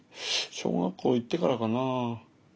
小学校行ってからかな？